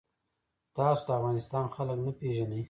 تاسو د افغانستان خلک نه پیژنئ.